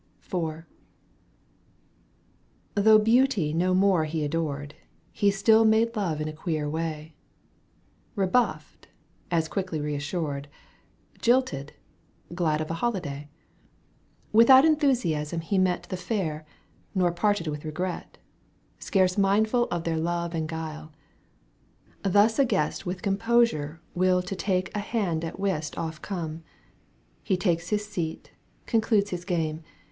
' IV. Though beauty he no more adored, ^ He still made love in a queer way ; Eebuflfed — as quicldy reassured. Jilted — glad of a hoKday. Without enthusiasm he met The fair, nor parted with regret. Scarce mindful of their love and gufle. Thus a guest with composure will To take a hand at whist oft come : He takes his seat, concludes his game.